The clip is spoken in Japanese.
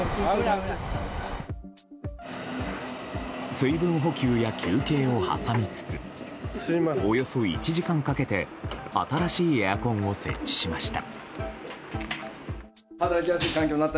水分補給や休憩を挟みつつおよそ１時間かけて新しいエアコンを設置しました。